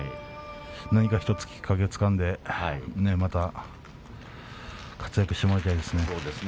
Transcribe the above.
何か１つきっかけをつかんでまた活躍してもらいたいですね。